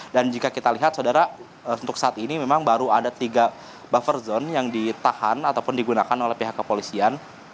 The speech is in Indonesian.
dan jika kita lihat saudara untuk saat ini memang baru ada tiga buffer zone yang ditahan ataupun digunakan oleh pihak kepolisian